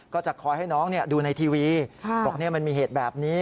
ก็จะคอยให้น้องดูในทีวีบอกมันมีเหตุแบบนี้